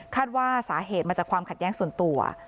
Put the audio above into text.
ว่าสาเหตุมาจากความขัดแย้งส่วนตัว